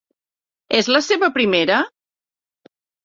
És la seva primera.?